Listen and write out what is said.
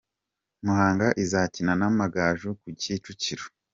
Muhanga izakina n’Amagaju ku Kicukiro.